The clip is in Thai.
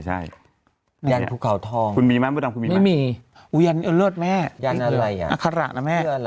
ใช่ยันทุกข่าวทองคุณมีมั้ยไม่มียันอันเลิศแม่ยันอะไรอัฆราณแม่